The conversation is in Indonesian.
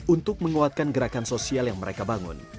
untuk menguatkan gerakan sosial yang mereka bangun